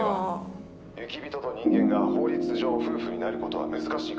「雪人と人間が法律上夫婦になることは難しいかと」。